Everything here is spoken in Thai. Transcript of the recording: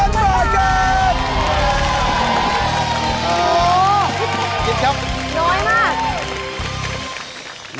น้อยมาก